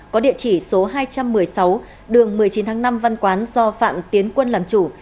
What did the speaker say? có địa chỉ số hai trăm một mươi sáu đường một mươi chín tháng năm văn quán do phạm tiến quân làm chủ